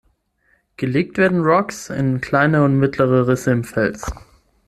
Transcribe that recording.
Gelegt werden Rocks in kleine und mittlere Risse im Fels.